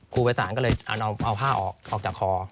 ครูไพรศาลก็เลยเอาผ้าออกออกจากคอ